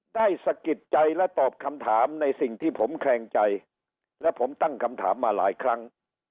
สะกิดใจและตอบคำถามในสิ่งที่ผมแคลงใจและผมตั้งคำถามมาหลายครั้ง